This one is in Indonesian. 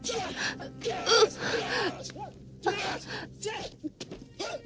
tidak kau bertanya tanya